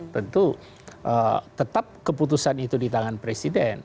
tentu tetap keputusan itu di tangan presiden